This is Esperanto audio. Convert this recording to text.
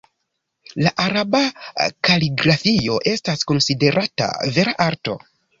La araba kaligrafio estas konsiderata vera arto.